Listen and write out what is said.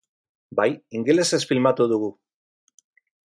Bai, ingelesez filmatu dugu.